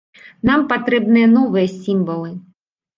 Нам патрэбныя новыя сімвалы.